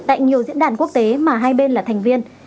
tại nhiều diễn đàn quốc tế mà hai bên là thành viên